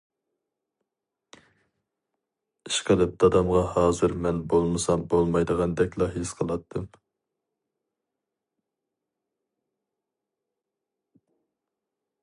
ئىشقىلىپ دادامغا ھازىر مەن بولمىسام بولمايدىغاندەكلا ھېس قىلاتتىم.